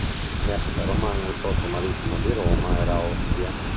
In epoca romana, il porto marittimo di Roma era Ostia.